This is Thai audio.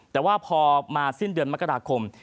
แต่ว่าพอมาสิ้นเดือนมกราคม